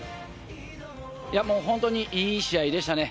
もう本当にいい試合でしたね。